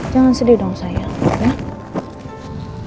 jangan sedih dong sayang